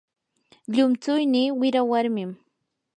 llumtsuynii wira warmim.